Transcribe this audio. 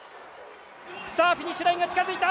さあフィニッシュラインが近づいた！